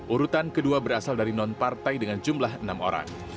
urutan kedua berasal dari non partai dengan jumlah enam orang